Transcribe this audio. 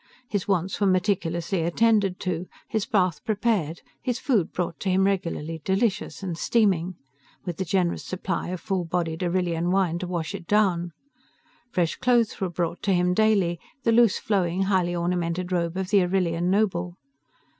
His wants were meticulously attended to, his bath prepared, his food brought to him regularly, delicious and steaming, with a generous supply of full bodied Arrillian wine to wash it down. Fresh clothes were brought to him daily, the loose flowing, highly ornamented robe of the Arrillian noble.